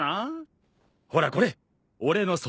ほらこれ俺の袖。